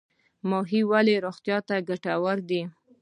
ماهي ولې روغتیا ته ګټور دی؟